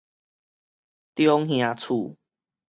中瓦厝